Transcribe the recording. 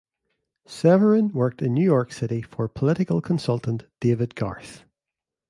Severin worked in New York City for political consultant David Garth.